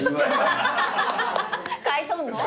買い取んの？